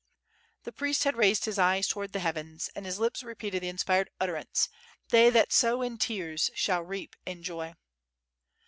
The priest had raised his eyes towards the heavens and his lips repeated the inspired utterance "They that sow in tears shall reap in joy.